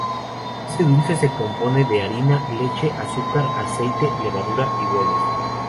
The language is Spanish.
Este dulce se compone de harina, leche, azúcar, aceite, levadura y huevos.